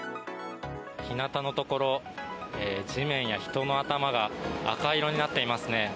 日なたのところ地面や人の頭が赤色になっていますね。